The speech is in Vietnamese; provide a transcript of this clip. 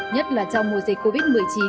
nhất là trong mùa dịch covid một mươi chín